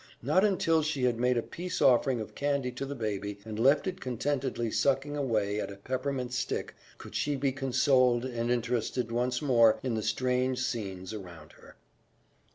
Not until she had made a peace offering of candy to the baby, and left it contentedly sucking away at a peppermint stick, could she be consoled and interested once more in the strange scenes around her.